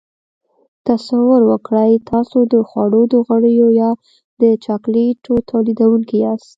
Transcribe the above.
تصور وکړئ تاسو د خوړو د غوړیو یا د چاکلیټو تولیدوونکي یاست.